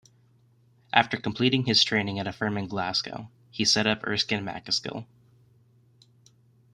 After completing his training at a firm in Glasgow, he set up Erskine MacAskill.